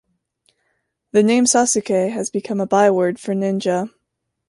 The name Sasuke has become a byword for ninja.